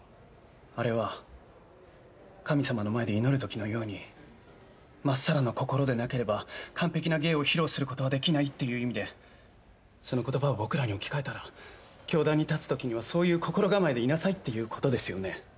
あれは神様の前で祈るときのように真っさらな心でなければ完璧な芸を披露することはできないっていう意味でその言葉を僕らに置き換えたら教壇に立つときにはそういう心構えでいなさいっていうことですよね。